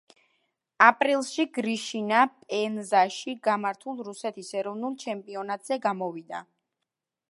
აპრილში გრიშინა პენზაში გამართულ რუსეთის ეროვნულ ჩემპიონატზე გამოვიდა.